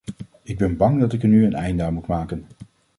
Ik ben bang dat ik er nu een einde aan moet maken.